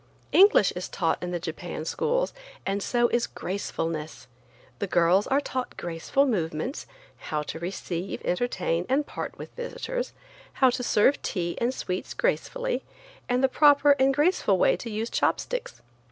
English is taught in the Japan schools and so is gracefulness. The girls are taught graceful movements, how to receive, entertain and part with visitors, how to serve tea and sweets gracefully, and the proper and graceful way to use chopsticks.